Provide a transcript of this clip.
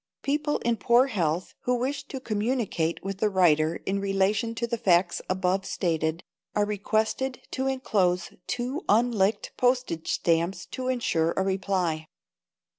People in poor health who wish to communicate with the writer in relation to the facts above stated, are requested to enclose two unlicked postage stamps to insure a reply.